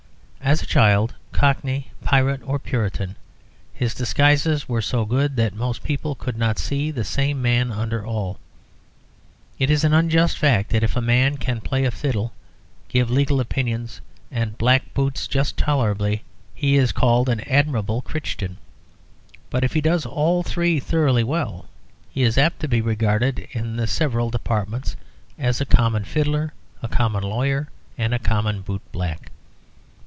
As child, cockney, pirate, or Puritan, his disguises were so good that most people could not see the same man under all. It is an unjust fact that if a man can play the fiddle, give legal opinions, and black boots just tolerably, he is called an Admirable Crichton, but if he does all three thoroughly well, he is apt to be regarded, in the several departments, as a common fiddler, a common lawyer, and a common boot black.